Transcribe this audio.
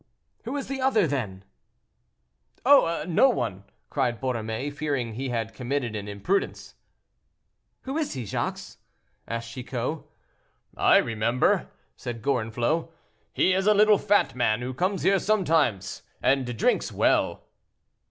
"Who is the other, then?" "Oh! no one!" cried Borromée, fearing he had committed an imprudence. "Who is he, Jacques?" asked Chicot. "I remember," said Gorenflot; "he is a little fat man who comes here sometimes and drinks well."